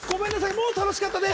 もう楽しかったです！